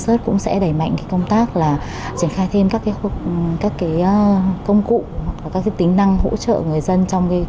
sau đó chiếm đoạt